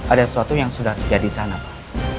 ada sesuatu yang sudah terjadi sana pak